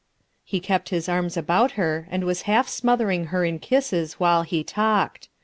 He kept his arms about her and was half smothering her in kisses while he talked.